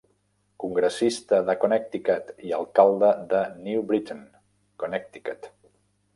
Congressista de Connecticut i alcalde de New Britain, Connecticut.